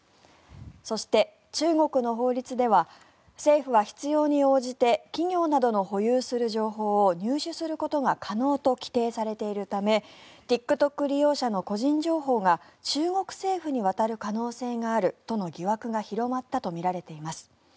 そして、中国の法律では政府は必要に応じて企業などの保有する情報を入手することが可能と規定されているためＴｉｋＴｏｋ利用者の個人情報が中国政府に渡る可能性があるとの疑惑が広まったとみられています。